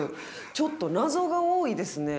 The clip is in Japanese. ちょっとナゾが多いですね。